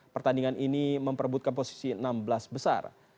pertandingan ini memperbutkan posisi enam belas besar